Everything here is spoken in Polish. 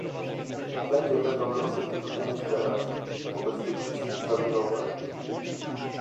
jakie będą losy tych umów teraz, wobec tych wszystkich zawirowań?